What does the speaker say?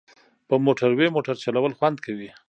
په موټروی موټر چلول خوند کوي